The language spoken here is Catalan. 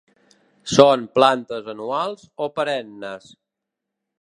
Són plantes anuals o perennes.